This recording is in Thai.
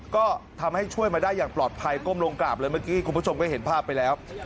ก็ทำให้ช่วยมาได้อย่างปลอดภัยก้มลงกราบเลยเมื่อกี้คุณผู้ชมก็เห็นภาพไปแล้ว